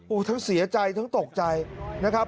ทั้งเสียใจทั้งตกใจนะครับ